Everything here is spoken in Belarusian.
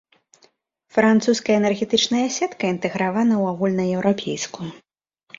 Французская энергетычная сетка інтэгравана ў агульнаеўрапейскую.